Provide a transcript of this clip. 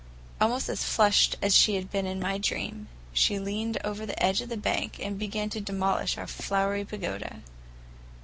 Almost as flushed as she had been in my dream, she leaned over the edge of the bank and began to demolish our flowery pagoda.